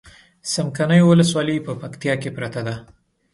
څمکنيو ولسوالي په پکتيا کې پرته ده